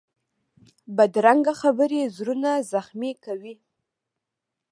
بدرنګه خبرې زړونه زخمي کوي